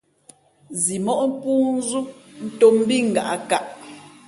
Zimóʼ pōōnzʉ̌ ntōm mbí ngaʼkaʼ.